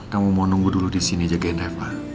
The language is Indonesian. kamu mau nunggu dulu disini jagain reva